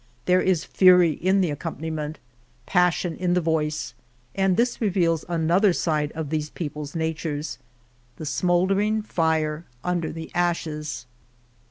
There is fury in the accompaniment, passion in the voice, and this reveals another side of these people's natures — the smouldering fire under the ashes.